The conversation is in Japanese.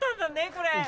これ。